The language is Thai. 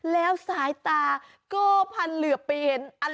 แล้วสายตาก็พันเหลือบไปเห็นอะไร